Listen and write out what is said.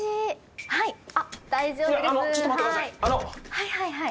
はいはいはい。